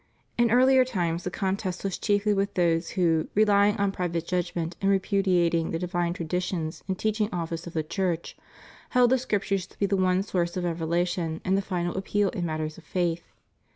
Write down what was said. In earUer times the contest was chiefly with those who, relying on private judgment and repudi ating the divine traditions and teaching office of the Church, held the Scriptures to be the one source of revela tion and the final appeal in matters of faith.